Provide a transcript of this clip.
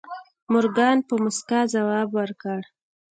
مورګان په موسکا ځواب ورکړ.